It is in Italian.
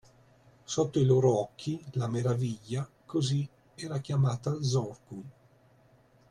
Sotto i loro occhi, la Meraviglia, così era chiamata Zorqun